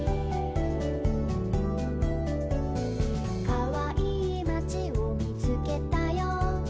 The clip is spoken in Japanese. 「かわいいまちをみつけたよ」